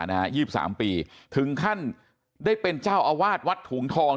ยี่สิบสามปีถึงขั้นได้เป็นเจ้าอาวาสวัดถุงทอง